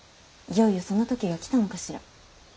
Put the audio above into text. いよいよその時が来たのかしら。